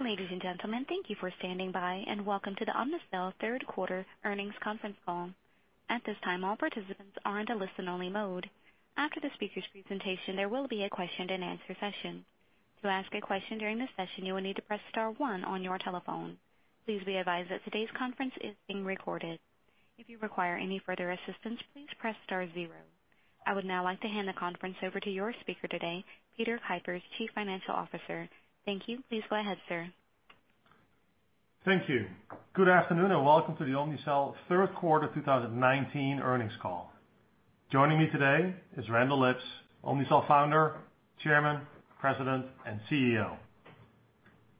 Ladies and gentlemen, thank you for standing by. Welcome to the Omnicell Third Quarter Earnings Conference Call. At this time, all participants are in a listen-only mode. After the speakers' presentation, there will be a question and answer session. To ask a question during this session, you will need to press star one on your telephone. Please be advised that today's conference is being recorded. If you require any further assistance, please press star zero. I would now like to hand the conference over to your speaker today, Peter Kuipers, Chief Financial Officer. Thank you. Please go ahead, sir. Thank you. Good afternoon, and welcome to the Omnicell Third Quarter 2019 earnings call. Joining me today is Randall Lipps, Omnicell Founder, Chairman, President, and CEO.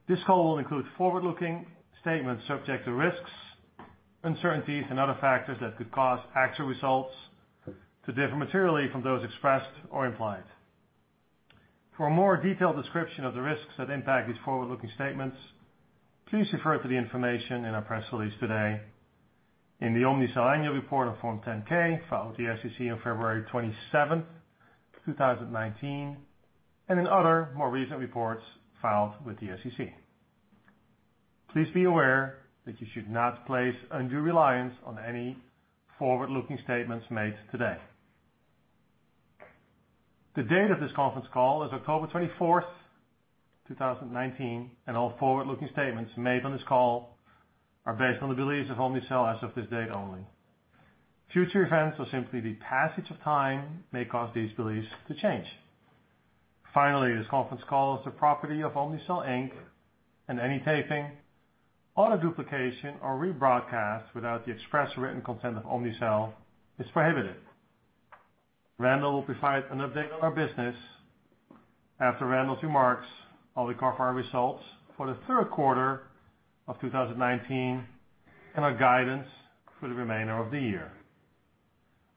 This call will include forward-looking statements subject to risks, uncertainties, and other factors that could cause actual results to differ materially from those expressed or implied. For a more detailed description of the risks that impact these forward-looking statements, please refer to the information in our press release today, in the Omnicell Annual Report on Form 10-K filed with the SEC on February 27th, 2019, and in other more recent reports filed with the SEC. Please be aware that you should not place undue reliance on any forward-looking statements made today. The date of this conference call is October 24th, 2019, and all forward-looking statements made on this call are based on the beliefs of Omnicell as of this date only. Future events or simply the passage of time may cause these beliefs to change. Finally, this conference call is the property of Omnicell, Inc. Any taping, audio duplication, or rebroadcast without the express written consent of Omnicell is prohibited. Randall will provide an update on our business. After Randall's remarks, I'll recap our results for the third quarter of 2019 and our guidance for the remainder of the year.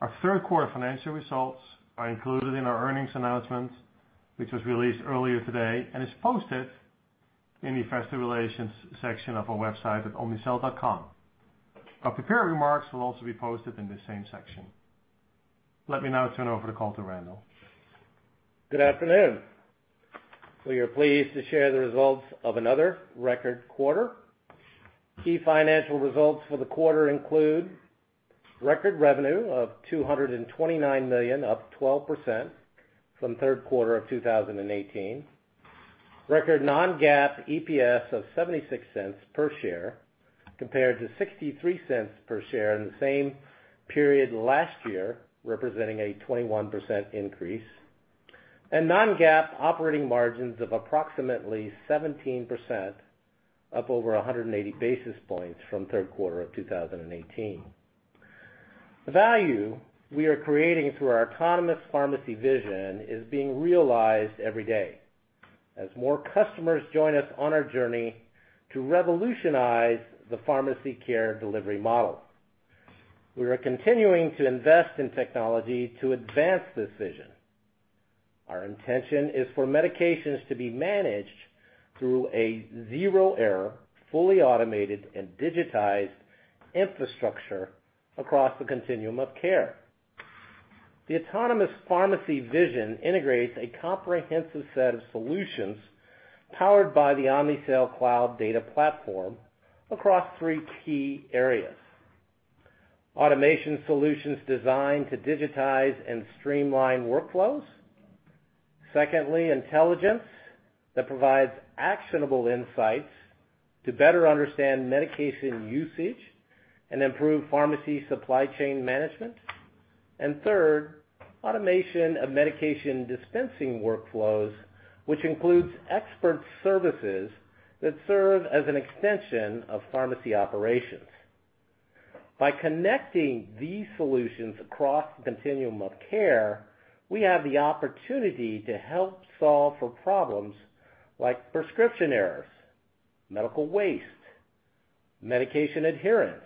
Our third quarter financial results are included in our earnings announcement, which was released earlier today and is posted in the investor relations section of our website at omnicell.com. Our prepared remarks will also be posted in the same section. Let me now turn over the call to Randall. Good afternoon. We are pleased to share the results of another record quarter. Key financial results for the quarter include: record revenue of $229 million, up 12% from third quarter of 2018. Record non-GAAP EPS of $0.76 per share compared to $0.63 per share in the same period last year, representing a 21% increase. Non-GAAP operating margins of approximately 17%, up over 180 basis points from third quarter of 2018. The value we are creating through our autonomous pharmacy vision is being realized every day as more customers join us on our journey to revolutionize the pharmacy care delivery model. We are continuing to invest in technology to advance this vision. Our intention is for medications to be managed through a zero error, fully automated, and digitized infrastructure across the continuum of care. The autonomous pharmacy vision integrates a comprehensive set of solutions powered by the Omnicell Cloud data platform across three key areas. Automation solutions designed to digitize and streamline workflows. Secondly, intelligence that provides actionable insights to better understand medication usage and improve pharmacy supply chain management. Third, automation of medication dispensing workflows, which includes expert services that serve as an extension of pharmacy operations. By connecting these solutions across the continuum of care, we have the opportunity to help solve for problems like prescription errors, medical waste, medication adherence,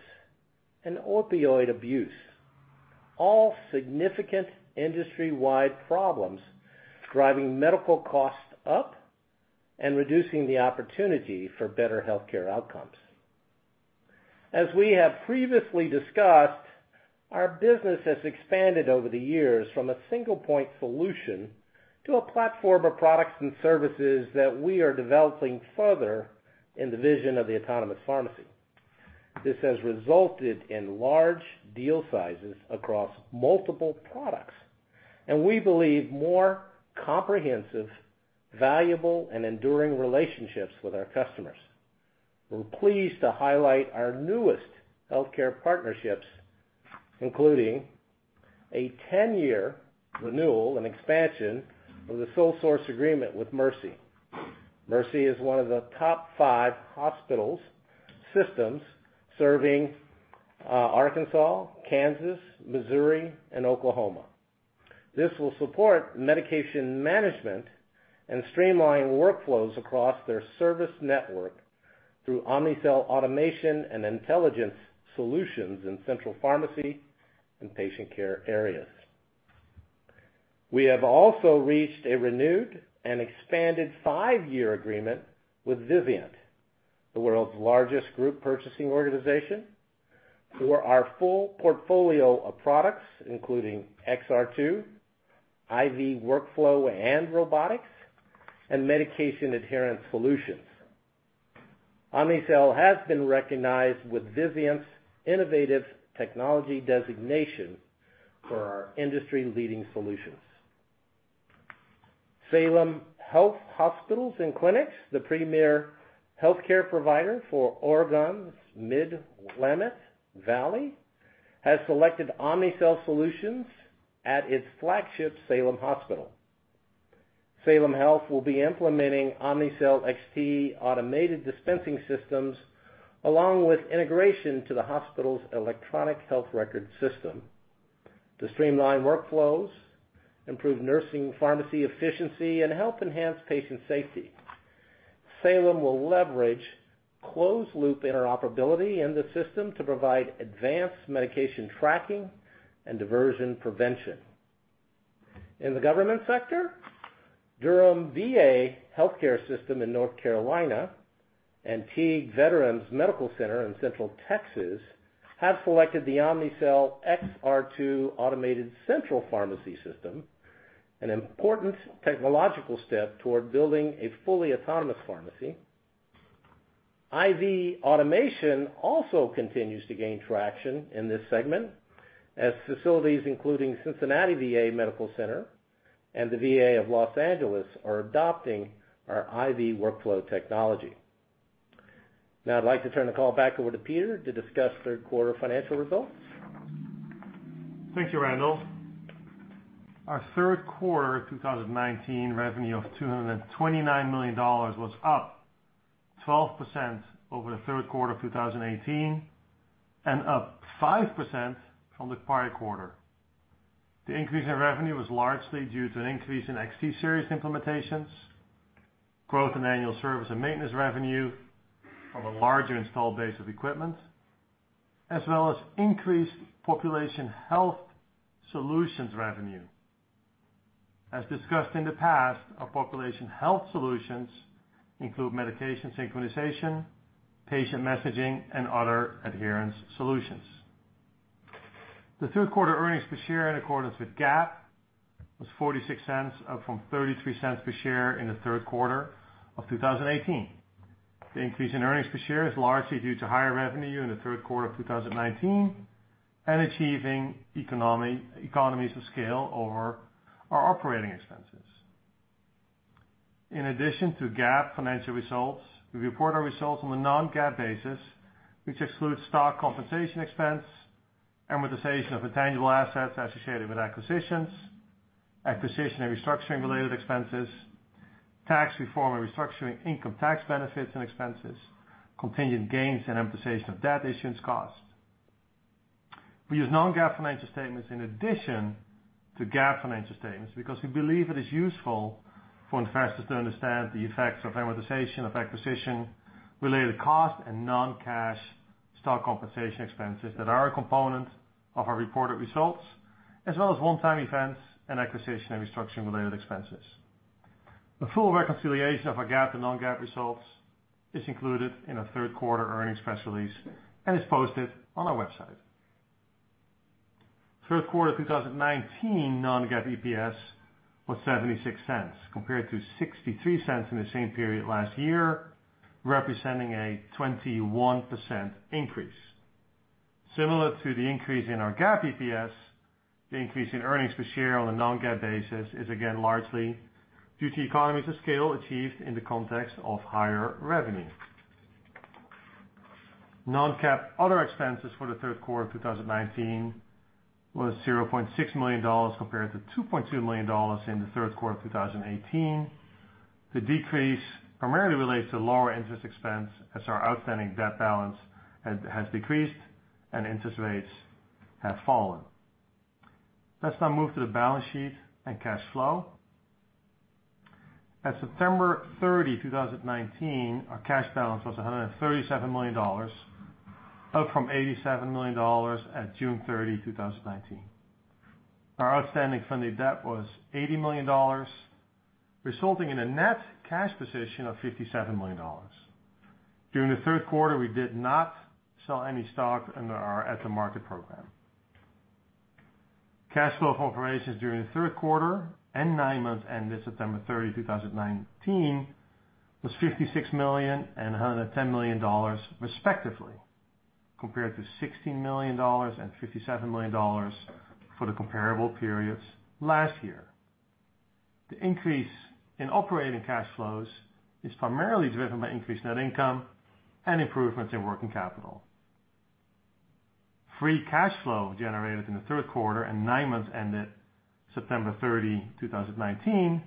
and opioid abuse. All significant industry-wide problems driving medical costs up and reducing the opportunity for better healthcare outcomes. As we have previously discussed, our business has expanded over the years from a single point solution to a platform of products and services that we are developing further in the vision of the autonomous pharmacy. This has resulted in large deal sizes across multiple products. We believe more comprehensive, valuable, and enduring relationships with our customers. We're pleased to highlight our newest healthcare partnerships, including a 10-year renewal and expansion of the sole source agreement with Mercy. Mercy is one of the top five hospital systems serving, Arkansas, Kansas, Missouri, and Oklahoma. This will support medication management and streamline workflows across their service network through Omnicell automation and intelligence solutions in central pharmacy and patient care areas. We have also reached a renewed and expanded five-year agreement with Vizient, the world's largest group purchasing organization for our full portfolio of products, including XR2, IVX Workflow and robotics, and medication adherence solutions. Omnicell has been recognized with Vizient's Innovative Technology designation for our industry-leading solutions. Salem Health Hospitals and Clinics, the premier healthcare provider for Oregon's Mid-Willamette Valley, has selected Omnicell Solutions at its flagship Salem Hospital. Salem Health will be implementing Omnicell XT automated dispensing systems, along with integration to the hospital's electronic health record system, to streamline workflows, improve nursing pharmacy efficiency, and help enhance patient safety. Salem will leverage closed-loop interoperability in the system to provide advanced medication tracking and diversion prevention. In the government sector, Durham VA Health Care System in North Carolina and Teague Veterans Medical Center in Central Texas have selected the Omnicell XR2 automated central pharmacy system, an important technological step toward building a fully autonomous pharmacy. IV automation also continues to gain traction in this segment, as facilities including Cincinnati VA Medical Center and the VA of L.A. are adopting our IV workflow technology. Now I'd like to turn the call back over to Peter to discuss third-quarter financial results. Thank you, Randall. Our third quarter 2019 revenue of $229 million was up 12% over the third quarter of 2018 and up 5% from the prior quarter. The increase in revenue was largely due to an increase in XT Series implementations, growth in annual service and maintenance revenue from a larger installed base of equipment, as well as increased Population Health Solutions revenue. As discussed in the past, our Population Health Solutions include medication synchronization, patient messaging, and other adherence solutions. The third quarter earnings per share in accordance with GAAP was $0.46, up from $0.33 per share in the third quarter of 2018. The increase in earnings per share is largely due to higher revenue in the third quarter of 2019 and achieving economies of scale over our operating expenses. In addition to GAAP financial results, we report our results on a non-GAAP basis, which excludes stock compensation expense, amortization of intangible assets associated with acquisitions, acquisition and restructuring-related expenses, tax reform and restructuring income tax benefits and expenses, contingent gains, and amortization of debt issuance costs. We use non-GAAP financial statements in addition to GAAP financial statements because we believe it is useful for investors to understand the effects of amortization of acquisition-related costs and non-cash stock compensation expenses that are a component of our reported results, as well as one-time events and acquisition and restructuring-related expenses. A full reconciliation of our GAAP to non-GAAP results is included in our third-quarter earnings press release and is posted on our website. Third quarter 2019 non-GAAP EPS was $0.76 compared to $0.63 in the same period last year, representing a 21% increase. Similar to the increase in our GAAP EPS, the increase in earnings per share on a non-GAAP basis is again largely due to economies of scale achieved in the context of higher revenue. Non-GAAP other expenses for the third quarter of 2019 was $0.6 million compared to $2.2 million in the third quarter of 2018. The decrease primarily relates to lower interest expense as our outstanding debt balance has decreased and interest rates have fallen. Let's now move to the balance sheet and cash flow. At September 30, 2019, our cash balance was $137 million, up from $87 million at June 30, 2019. Our outstanding funded debt was $80 million, resulting in a net cash position of $57 million. During the third quarter, we did not sell any stock under our at-the-market program. Cash flow from operations during the third quarter and nine months ending September 30, 2019, was $56 million and $110 million, respectively, compared to $16 million and $57 million for the comparable periods last year. The increase in operating cash flows is primarily driven by increased net income and improvements in working capital. Free cash flow generated in the third quarter and nine months ended September 30, 2019,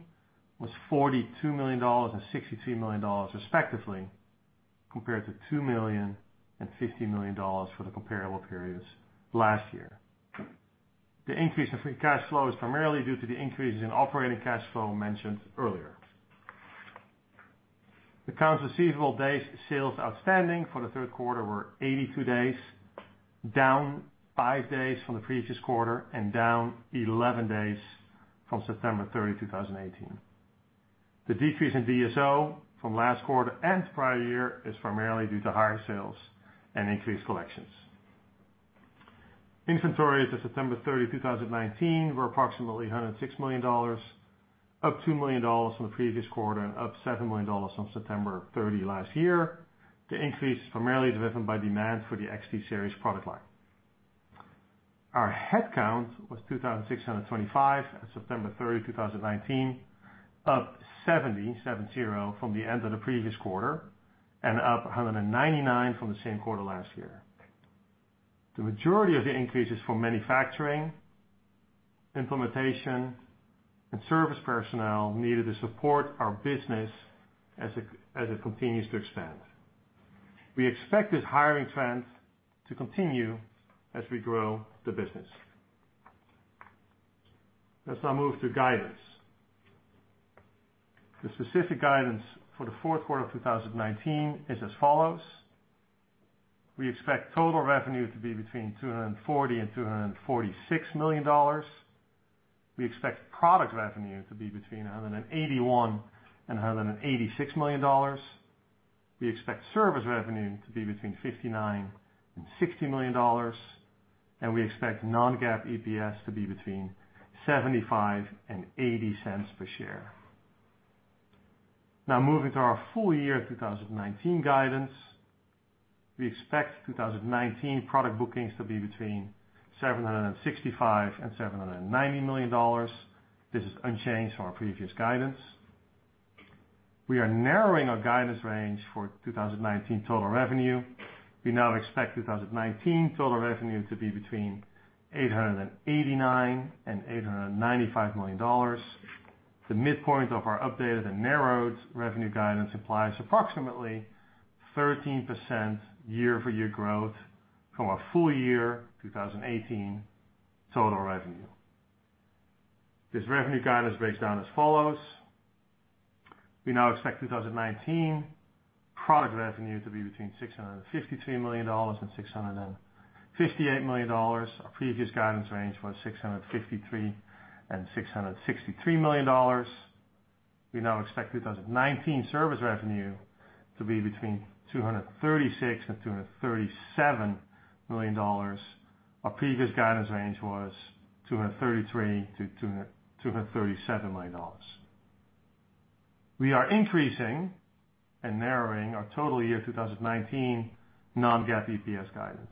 was $42 million and $63 million, respectively, compared to $2 million and $15 million for the comparable periods last year. The increase in free cash flow is primarily due to the increases in operating cash flow mentioned earlier. Accounts receivable days sales outstanding for the third quarter were 82 days, down five days from the previous quarter and down 11 days from September 30, 2018. The decrease in DSO from last quarter and prior year is primarily due to higher sales and increased collections. Inventories as of September 30, 2019, were approximately $106 million, up $2 million from the previous quarter and up $7 million from September 30 last year. The increase is primarily driven by demand for the XT Series product line. Our headcount was 2,625 as of September 30, 2019, up 70, seven zero, from the end of the previous quarter and up 199 from the same quarter last year. The majority of the increase is from manufacturing, implementation, and service personnel needed to support our business as it continues to expand. We expect this hiring trend to continue as we grow the business. Let's now move to guidance. The specific guidance for the fourth quarter of 2019 is as follows. We expect total revenue to be between $240 and $246 million. We expect product revenue to be between $181 and $186 million. We expect service revenue to be between $59 and $60 million, and we expect non-GAAP EPS to be between $0.75 and $0.80 per share. Now, moving to our full year 2019 guidance. We expect 2019 product bookings to be between $765 and $790 million. This is unchanged from our previous guidance. We are narrowing our guidance range for 2019 total revenue. We now expect 2019 total revenue to be between $889 and $895 million. The midpoint of our updated and narrowed revenue guidance applies approximately 13% year-over-year growth from our full year 2018 total revenue. This revenue guidance breaks down as follows. We now expect 2019 product revenue to be between $653 million and $658 million. Our previous guidance range was $653 and $663 million. We now expect 2019 service revenue to be between $236 and $237 million. Our previous guidance range was $233 to $237 million. We are increasing and narrowing our total year 2019 non-GAAP EPS guidance.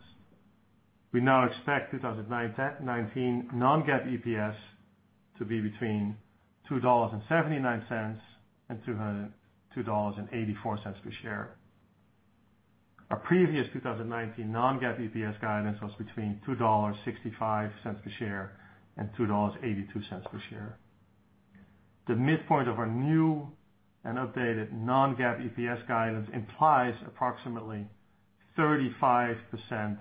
We now expect 2019 non-GAAP EPS to be between $2.79 and $2.84 per share. Our previous 2019 non-GAAP EPS guidance was between $2.65 per share and $2.82 per share. The midpoint of our new and updated non-GAAP EPS guidance implies approximately 35%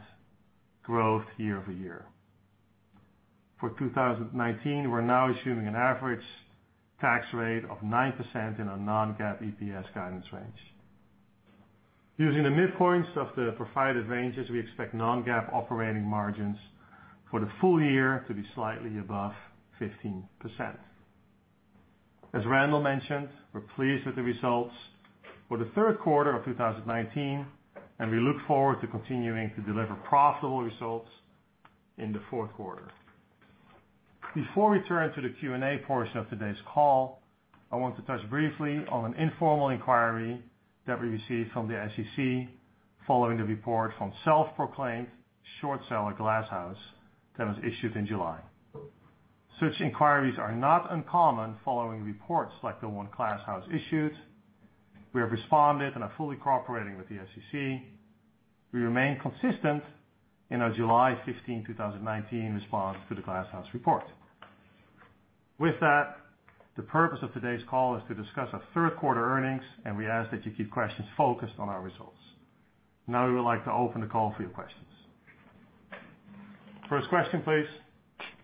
growth year-over-year. For 2019, we're now assuming an average tax rate of 9% in our non-GAAP EPS guidance range. Using the midpoints of the provided ranges, we expect non-GAAP operating margins for the full year to be slightly above 15%. As Randall mentioned, we're pleased with the results for the third quarter of 2019, and we look forward to continuing to deliver profitable results in the fourth quarter. Before we turn to the Q&A portion of today's call, I want to touch briefly on an informal inquiry that we received from the SEC following the report from self-proclaimed short seller GlassHouse that was issued in July. Such inquiries are not uncommon following reports like the one GlassHouse issued. We have responded and are fully cooperating with the SEC. We remain consistent in our July 15, 2019, response to the GlassHouse report. With that, the purpose of today's call is to discuss our third quarter earnings, and we ask that you keep questions focused on our results. Now we would like to open the call for your questions. First question, please.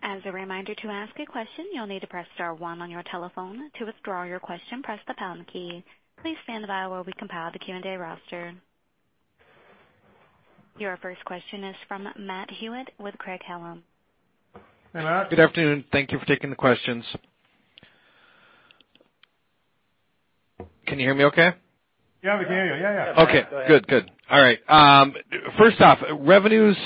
As a reminder, to ask a question, you'll need to press star one on your telephone. To withdraw your question, press the pound key. Please stand by while we compile the Q&A roster. Your first question is from Matt Hewitt with Craig-Hallum. Hey, Matt. Good afternoon. Thank you for taking the questions. Can you hear me okay? Yeah, we can hear you. Yeah. Yeah. Go ahead. Okay, good. All right. First off, revenues,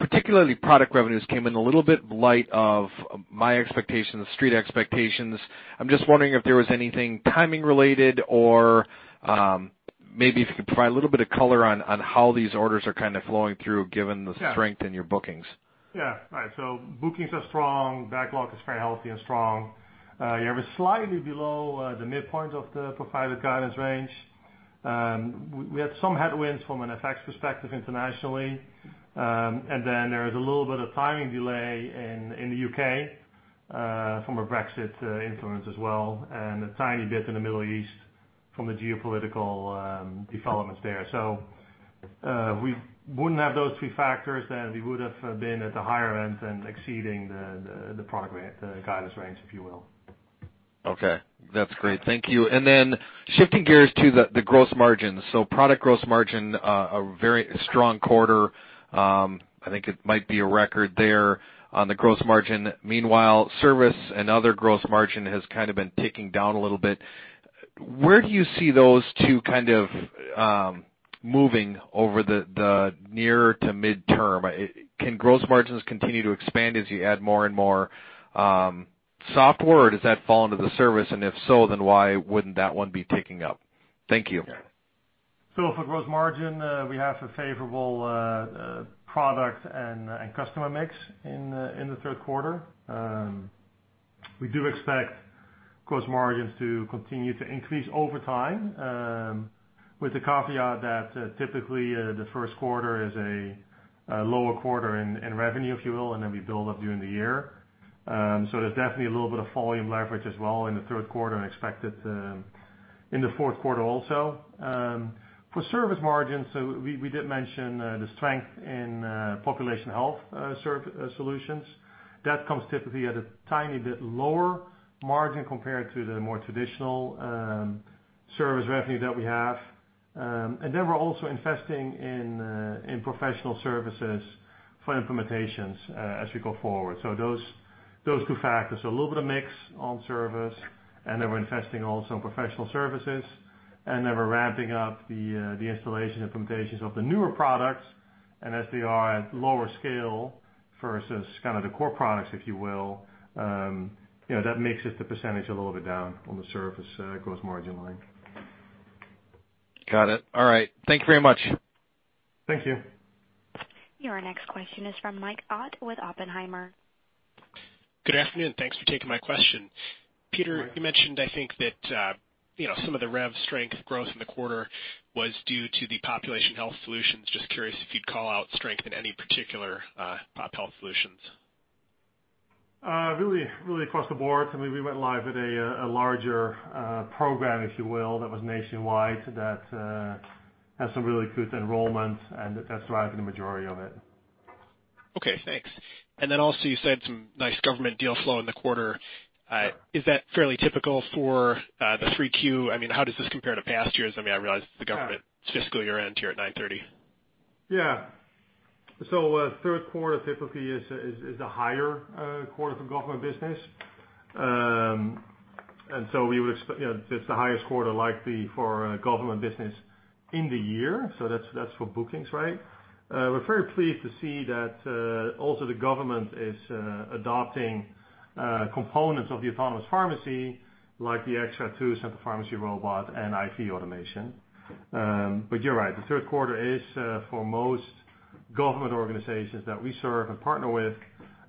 particularly product revenues, came in a little bit light of my expectations, Street expectations. I'm just wondering if there was anything timing related or maybe if you could provide a little bit of color on how these orders are kind of flowing through. Yeah strength in your bookings. Yeah. Bookings are strong. Backlog is very healthy and strong. Yeah, we're slightly below the midpoint of the provided guidance range. We had some headwinds from an FX perspective internationally. There is a little bit of timing delay in the U.K., from a Brexit influence as well, and a tiny bit in the Middle East from the geopolitical developments there. If we wouldn't have those three factors, then we would have been at the higher end, and exceeding the product guidance range, if you will. Okay. That's great. Thank you. Shifting gears to the gross margins. Product gross margin, a very strong quarter. I think it might be a record there on the gross margin. Meanwhile, service and other gross margin has kind of been ticking down a little bit. Where do you see those two moving over the near to midterm? Can gross margins continue to expand as you add more and more software, or does that fall under the service? If so, then why wouldn't that one be ticking up? Thank you. Yeah. For gross margin, we have a favorable product and customer mix in the third quarter. We do expect gross margins to continue to increase over time, with the caveat that typically, the first quarter is a lower quarter in revenue, if you will, and then we build up during the year. There's definitely a little bit of volume leverage as well in the third quarter, and expected in the fourth quarter also. For service margins, we did mention the strength in Population Health Solutions. That comes typically at a tiny bit lower margin compared to the more traditional service revenue that we have. We're also investing in professional services for implementations as we go forward. A little bit of mix on service, and then we're investing also in professional services, and then we're ramping up the installation implementations of the newer products. As they are at lower scale versus the core products, if you will, that makes the percentage a little bit down on the service gross margin line. Got it. All right. Thank you very much. Thank you. Your next question is from Mike Ott with Oppenheimer. Good afternoon. Thanks for taking my question. Yeah. Peter, you mentioned I think that some of the rev strength growth in the quarter was due to the Population Health Solutions. Just curious if you'd call out strength in any particular Pop Health Solutions? Really across the board. We went live with a larger program, if you will, that was nationwide, that had some really good enrollment. That's driving the majority of it. Okay, thanks. Also you said some nice government deal flow in the quarter. Yeah. Is that fairly typical for the three Q? How does this compare to past years? I realize the government. Yeah fiscal year ends here at nine thirty. Yeah. Third quarter typically is the higher quarter for government business. It's the highest quarter likely for government business in the year. That's for bookings, right? We're very pleased to see that also the government is adopting components of the autonomous pharmacy, like the XR2 Central Pharmacy Robot and IV automation. You're right. The third quarter is, for most government organizations that we serve and partner with,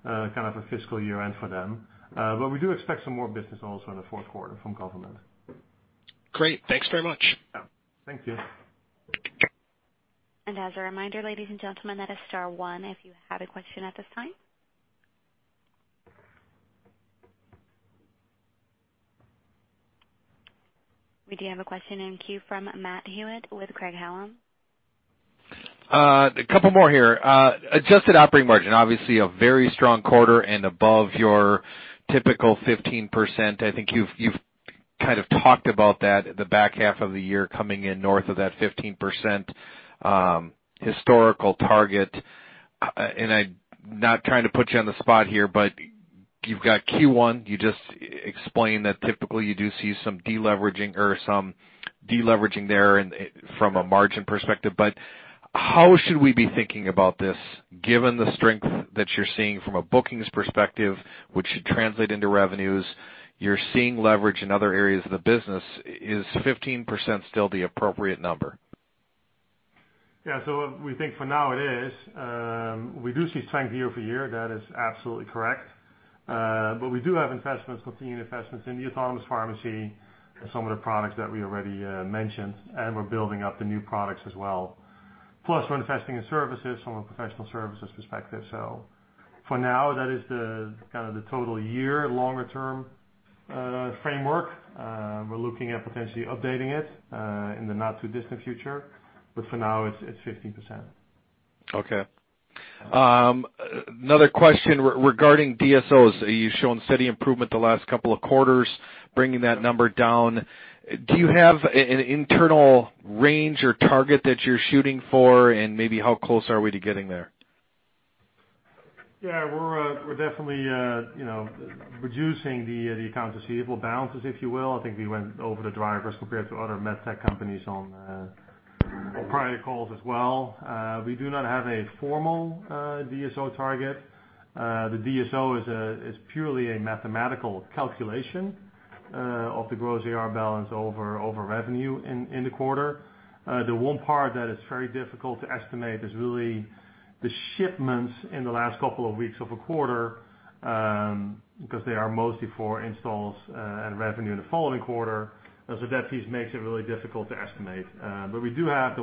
kind of a fiscal year-end for them. We do expect some more business also in the fourth quarter from government. Great. Thanks very much. Yeah. Thank you. As a reminder, ladies and gentlemen, that is star one if you have a question at this time. We do have a question in queue from Matthew Hewitt with Craig-Hallum. A couple more here. Adjusted operating margin, obviously a very strong quarter and above your typical 15%. I think you've kind of talked about that at the back half of the year coming in north of that 15% historical target. I'm not trying to put you on the spot here, but you've got Q1. You just explained that typically you do see some deleveraging there from a margin perspective. How should we be thinking about this, given the strength that you're seeing from a bookings perspective, which should translate into revenues? You're seeing leverage in other areas of the business. Is 15% still the appropriate number? We think for now it is. We do see strength year over year. That is absolutely correct. We do have continued investments in the autonomous pharmacy and some of the products that we already mentioned, and we're building up the new products as well. We're investing in services from a professional services perspective. For now, that is the total year longer-term framework. We're looking at potentially updating it in the not-too-distant future, but for now it's 15%. Okay. Another question regarding DSOs. You've shown steady improvement the last couple of quarters, bringing that number down. Do you have an internal range or target that you're shooting for? Maybe how close are we to getting there? We're definitely reducing the accounts receivable balances, if you will. I think we went over the drivers compared to other med tech companies on prior calls as well. We do not have a formal DSO target. The DSO is purely a mathematical calculation of the gross AR balance over revenue in the quarter. The one part that is very difficult to estimate is really the shipments in the last couple of weeks of a quarter, because they are mostly for installs and revenue in the following quarter. That piece makes it really difficult to estimate. We do have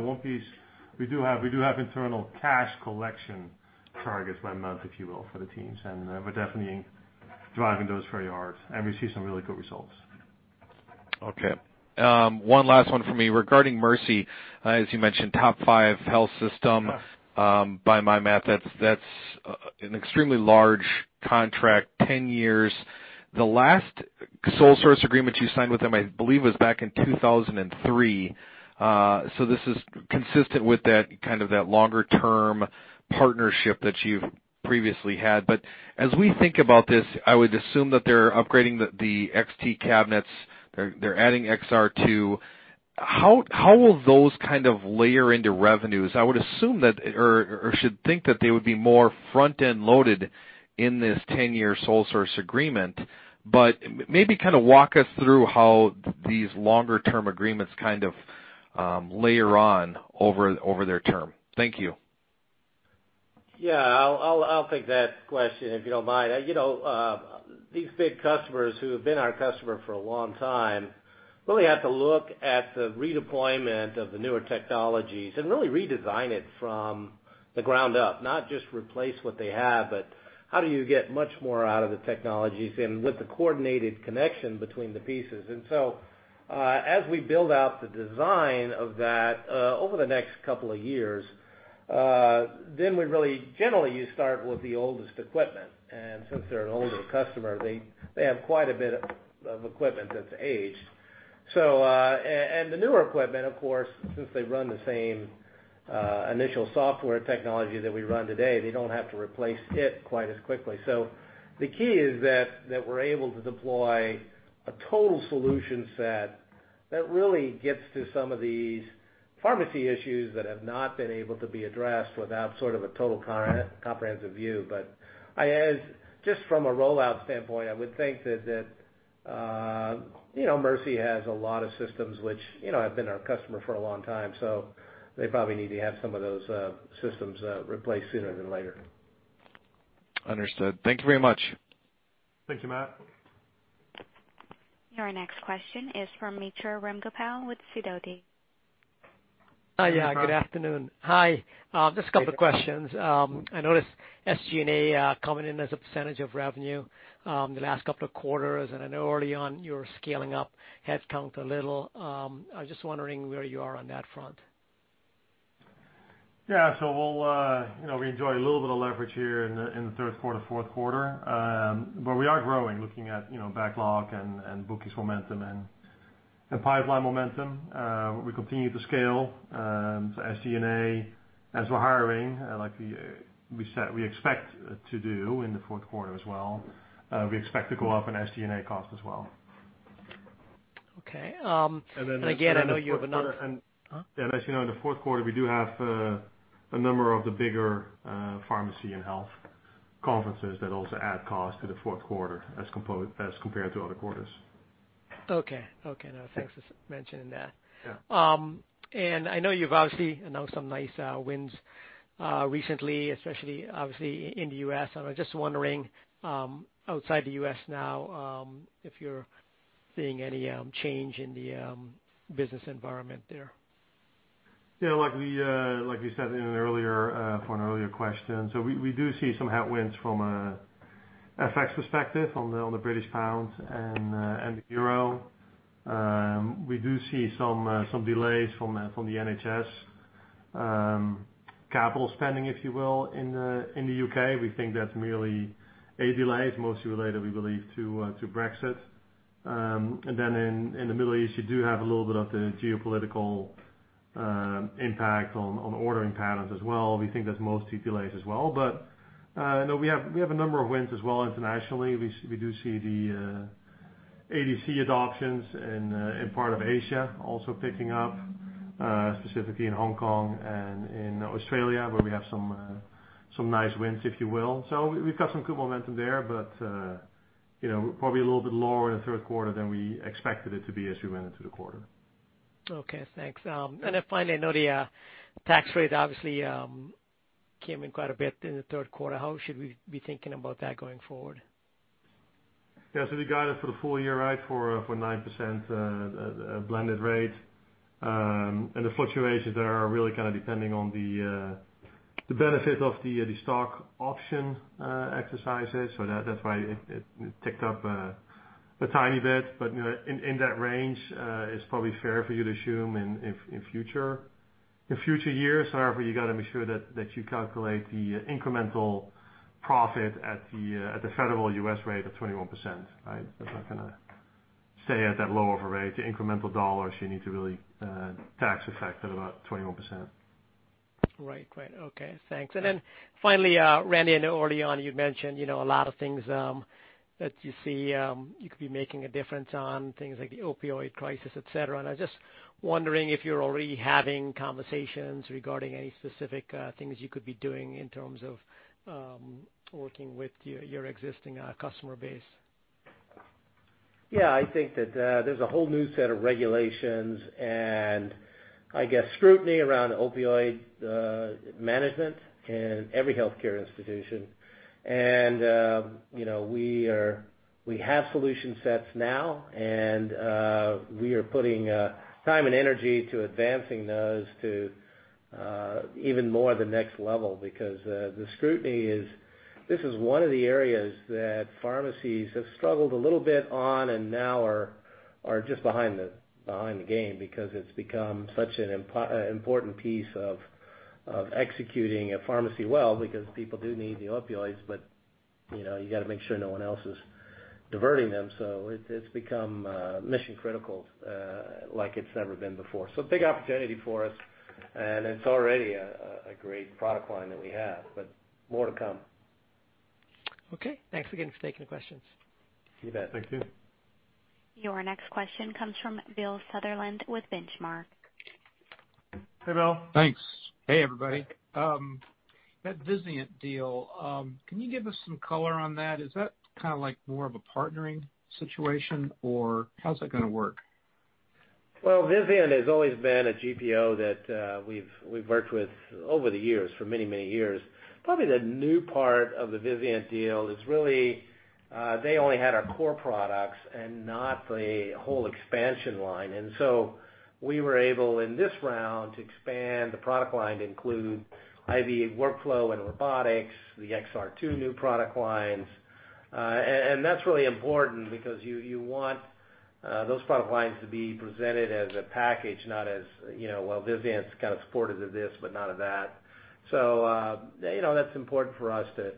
internal cash collection targets by month, if you will, for the teams. We're definitely driving those very hard, and we see some really good results. Okay. One last one for me. Regarding Mercy, as you mentioned, top five health system. By my math, that's an extremely large contract, 10 years. The last sole source agreement you signed with them, I believe, was back in 2003. This is consistent with that longer-term partnership that you've previously had. As we think about this, I would assume that they're upgrading the XT cabinets. They're adding XR2. How will those kind of layer into revenues? I would assume that, or should think that they would be more front-end loaded in this 10-year sole source agreement, but maybe walk us through how these longer-term agreements kind of layer on over their term. Thank you. Yeah, I'll take that question if you don't mind. These big customers who have been our customer for a long time really have to look at the redeployment of the newer technologies and really redesign it from the ground up, not just replace what they have, but how do you get much more out of the technologies and with the coordinated connection between the pieces. So, as we build out the design of that, over the next couple of years, Generally, you start with the oldest equipment, and since they're an older customer, they have quite a bit of equipment that's aged. The newer equipment, of course, since they run the same initial software technology that we run today, they don't have to replace it quite as quickly. The key is that we're able to deploy a total solution set that really gets to some of these pharmacy issues that have not been able to be addressed without sort of a total comprehensive view. Just from a rollout standpoint, I would think that Mercy has a lot of systems which have been our customer for a long time, so they probably need to have some of those systems replaced sooner than later. Understood. Thank you very much. Thank you, Matt. Your next question is from Mitra Ramgopal with Sidoti. Hi, Mitra. Yeah, good afternoon. Hi. Just a couple of questions. I noticed SG&A coming in as a % of revenue the last couple of quarters, and I know early on you were scaling up headcount a little. I was just wondering where you are on that front. Yeah. We enjoy a little bit of leverage here in the third quarter, fourth quarter. We are growing, looking at backlog and bookings momentum and pipeline momentum. We continue to scale SG&A as we're hiring, like we expect to do in the fourth quarter as well. We expect to go up in SG&A cost as well. Okay. Again, I know you have another. As you know, in the fourth quarter, we do have a number of the bigger pharmacy and health conferences that also add cost to the fourth quarter as compared to other quarters. Okay. Thanks for mentioning that. Yeah. I know you've obviously announced some nice wins recently, especially obviously in the U.S. I was just wondering, outside the U.S. now, if you're seeing any change in the business environment there? Yeah, like we said for an earlier question, we do see some headwinds from a FX perspective on the British pound and the euro. We do see some delays from the NHS capital spending, if you will, in the U.K. We think that's merely a delay. It's mostly related, we believe, to Brexit. In the Middle East, you do have a little bit of the geopolitical impact on ordering patterns as well. We think that's mostly delays as well. No, we have a number of wins as well internationally. We do see the ADC adoptions in part of Asia also picking up, specifically in Hong Kong and in Australia, where we have some nice wins, if you will. We've got some good momentum there, but probably a little bit lower in the third quarter than we expected it to be as we went into the quarter. Okay, thanks. Finally, I know the tax rate obviously came in quite a bit in the third quarter. How should we be thinking about that going forward? Yeah, the guidance for the full year, right, for 9% blended rate. The fluctuations there are really kind of depending on the benefit of the stock option exercises. That's why it ticked up a tiny bit. In that range, it's probably fair for you to assume in future years. However, you got to make sure that you calculate the incremental profit at the federal U.S. rate of 21%. Right? That's not going to stay at that low of a rate. The incremental dollars, you need to really tax effect at about 21%. Right. Okay, thanks. Finally, Randy, I know early on you mentioned a lot of things that you see you could be making a difference on, things like the opioid crisis, et cetera. I was just wondering if you're already having conversations regarding any specific things you could be doing in terms of working with your existing customer base? Yeah, I think that there's a whole new set of regulations and, I guess, scrutiny around opioid management in every healthcare institution. We have solution sets now, and we are putting time and energy to advancing those to even more the next level. The scrutiny is, this is one of the areas that pharmacies have struggled a little bit on and now are just behind the game because it's become such an important piece of executing a pharmacy well, because people do need the opioids, but you got to make sure no one else is diverting them. It's become mission-critical like it's never been before. Big opportunity for us, and it's already a great product line that we have, but more to come. Okay. Thanks again for taking the questions. You bet. Thank you. Your next question comes from Bill Sutherland with Benchmark. Hey, Bill. Thanks. Hey, everybody. That Vizient deal, can you give us some color on that? Is that more of a partnering situation, or how's that going to work? Well, Vizient has always been a GPO that we've worked with over the years, for many years. Probably the new part of the Vizient deal is really, they only had our core products and not the whole expansion line. We were able, in this round, to expand the product line to include IV workflow and robotics, the XR2 new product lines. That's really important because you want those product lines to be presented as a package, not as, well, Vizient's kind of supportive of this, but not of that. That's important for us to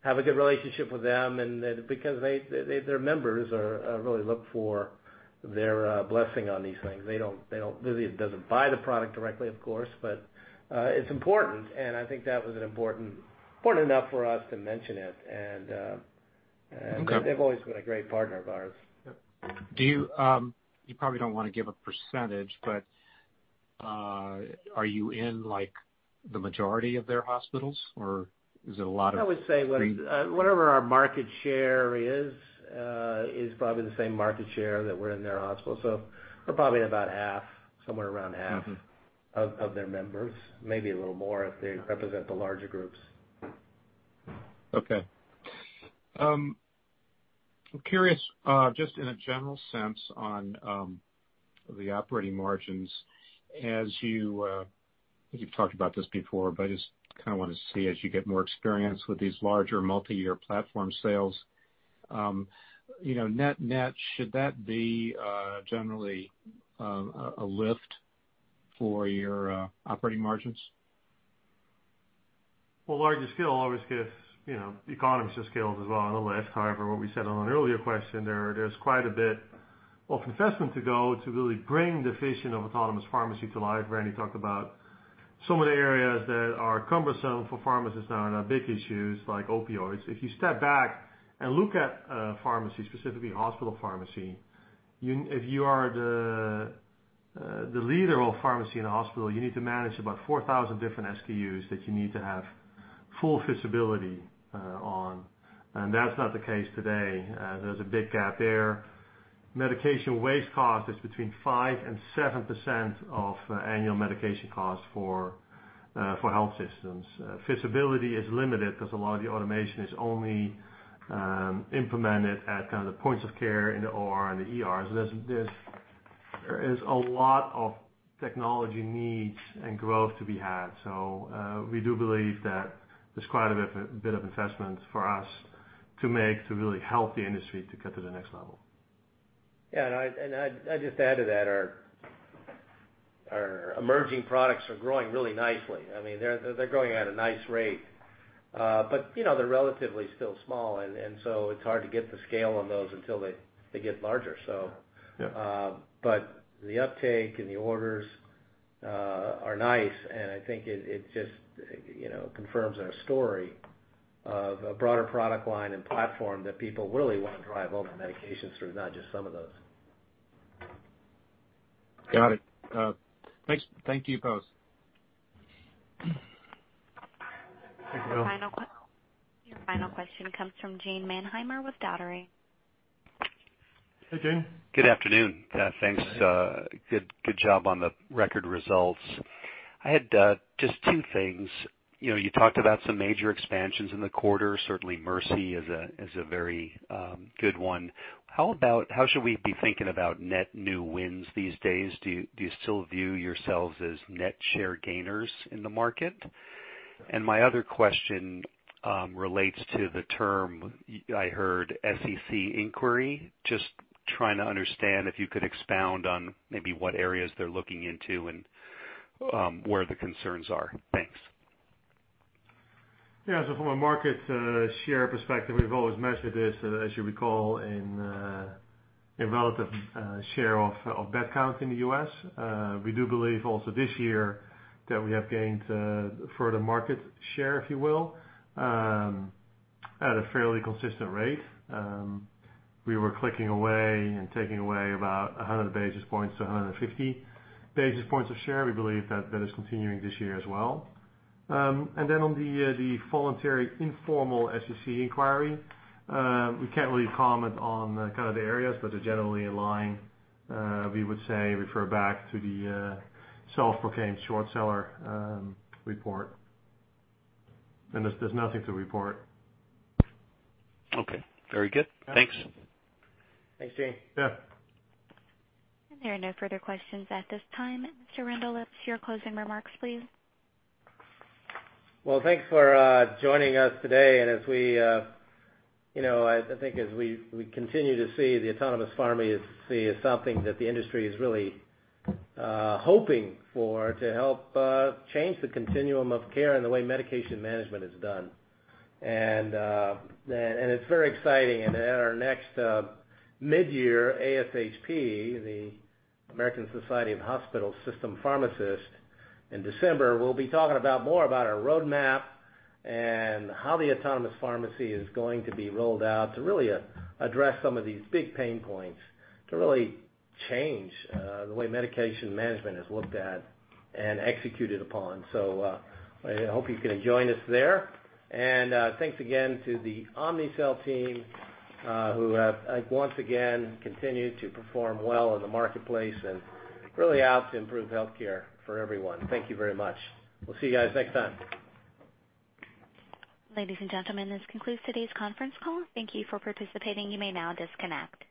have a good relationship with them and because their members really look for their blessing on these things. Vizient doesn't buy the product directly, of course, but it's important, and I think that was important enough for us to mention it. Okay. They've always been a great partner of ours. Yep. You probably don't want to give a percentage, but are you in the majority of their hospitals, or is it? I would say whatever our market share is probably the same market share that we're in their hospital. We're probably at about half. of their members. Maybe a little more if they represent the larger groups. Okay. I'm curious, just in a general sense on the operating margins, as I think you've talked about this before, but I just want to see as you get more experience with these larger multi-year platform sales. Should that be generally a lift for your operating margins? Larger scale always gives economies of scale as well, unless, however, what we said on an earlier question there's quite a bit of investment to go to really bring the vision of autonomous pharmacy to life. Randy talked about some of the areas that are cumbersome for pharmacists now and are big issues like opioids. If you step back and look at pharmacy, specifically hospital pharmacy, if you are the leader of pharmacy in a hospital, you need to manage about 4,000 different SKUs that you need to have full visibility on. That's not the case today. There's a big gap there. Medication waste cost is between 5% and 7% of annual medication costs for health systems. Visibility is limited because a lot of the automation is only implemented at the points of care in the OR and the ER. There is a lot of technology needs and growth to be had. We do believe that there's quite a bit of investment for us to make to really help the industry to get to the next level. Yeah. I'd just add to that, our emerging products are growing really nicely. They're growing at a nice rate. They're relatively still small, it's hard to get the scale on those until they get larger. Yeah. The uptake and the orders are nice, and I think it just confirms our story of a broader product line and platform that people really want to drive all their medications through, not just some of those. Got it. Thank you both. Thanks, Bill. Your final question comes from Gene Mannheimer with Dougherty. Hey, Gene. Good afternoon. Thanks. Hey. Good job on the record results. I had just two things. You talked about some major expansions in the quarter, certainly Mercy is a very good one. How should we be thinking about net new wins these days? Do you still view yourselves as net share gainers in the market? My other question relates to the term I heard, SEC inquiry. Just trying to understand if you could expound on maybe what areas they're looking into and where the concerns are. Thanks. From a market share perspective, we've always measured this, as you recall, in relative share of bed count in the U.S. We do believe also this year that we have gained further market share, if you will, at a fairly consistent rate. We were clicking away and taking away about 100 basis points to 150 basis points of share. We believe that that is continuing this year as well. On the voluntary informal SEC inquiry, we can't really comment on the areas, but they're generally in line. We would, say, refer back to the self-proclaimed short seller report. There's nothing to report. Okay. Very good. Thanks. Thanks, Gene. Yeah. There are no further questions at this time. Mr. Randall Lipps, let's hear closing remarks, please. Well, thanks for joining us today. I think as we continue to see the autonomous pharmacy as something that the industry is really hoping for to help change the continuum of care and the way medication management is done. It's very exciting. At our next mid-year ASHP, the American Society of Health-System Pharmacists in December, we'll be talking about more about our roadmap and how the autonomous pharmacy is going to be rolled out to really address some of these big pain points, to really change the way medication management is looked at and executed upon. I hope you can join us there. Thanks again to the Omnicell team, who have, once again, continued to perform well in the marketplace and really out to improve healthcare for everyone. Thank you very much. We'll see you guys next time. Ladies and gentlemen, this concludes today's conference call. Thank you for participating. You may now disconnect.